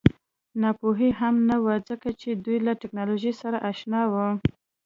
ناپوهي هم نه وه ځکه چې دوی له ټکنالوژۍ سره اشنا وو